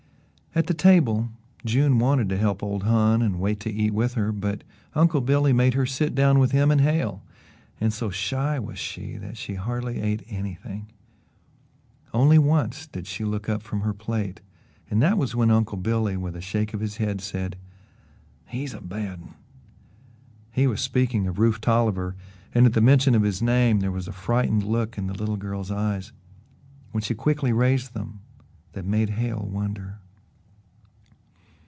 At the table June wanted to help ole Hon and wait to eat with her, but Uncle Billy made her sit down with him and Hale, and so shy was she that she hardly ate anything. Once only did she look up from her plate and that was when Uncle Billy, with a shake of his head, said: "He's a bad un." He was speaking of Rufe Tolliver, and at the mention of his name there was a frightened look in the little girl's eyes, when she quickly raised them, that made Hale wonder.